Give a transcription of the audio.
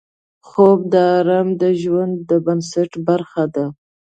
خوب د آرام د ژوند د بنسټ برخه ده